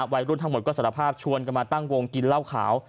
วัยรุ่นทั้งหมดก็สารภาพชวนกันมาตั้งวงกินเหล้าขาว